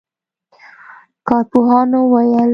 کارپوهانو وویل